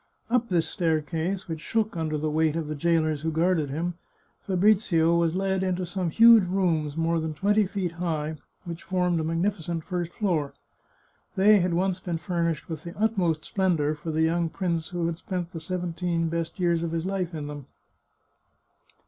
Up this staircase, which shook under the weight of the jailers who guarded him, Fabrizio was led into some huge rooms more than twenty feet high, which formed a magnificent first floor. They had once been furnished with the utmost splendour for the young prince who had spent the seventeen best years of his life in then?.